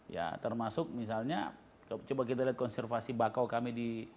ya termasuk misalnya coba kita lihat konservasi bakau kami di